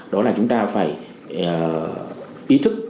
đó là chúng ta phải ý thức